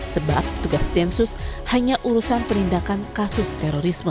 sebab tugas densus hanya urusan penindakan kasus terorisme